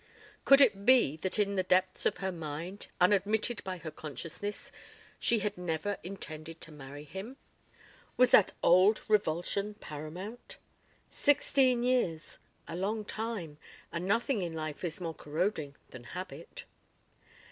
Could it be that in the depths of her mind unadmitted by her consciousness she had never intended to marry him? Was that old revulsion paramount? ... Sixteen years! ... A long time, and nothing in life is more corroding than habit.